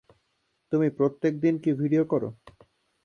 তুমি প্রত্যেকদিন কি ভিডিও করো?